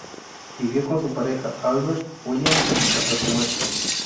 Vivió con su pareja, Albert Williams, hasta su muerte.